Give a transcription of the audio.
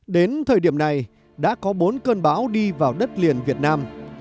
đến thời điểm này đã có bốn cơn bão đi vào đất liền việt nam